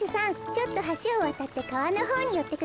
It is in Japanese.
ちょっとはしをわたってかわのほうによってくださる？ははい。